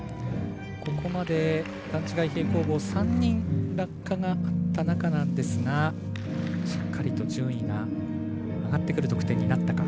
ここまで、段違い平行棒３人落下があった中なんですがしっかりと順位が上がってくる得点になったか。